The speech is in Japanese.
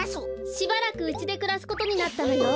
しばらくうちでくらすことになったのよ。